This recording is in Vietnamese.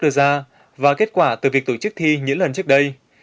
đưa ra và kết quả từ việc tổ chức thi những lần trước đây